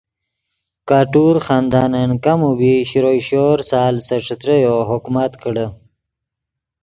کٹور خاندانن کم و بیش شروئے شور سال سے ݯتریو حکومت کڑے